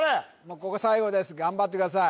ここ最後です頑張ってください